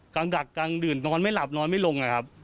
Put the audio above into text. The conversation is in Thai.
กลางดักกลางดื่นนอนไม่หลับนอนไม่ลงนะครับ